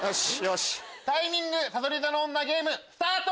タイミングさそり座の女ゲームスタート！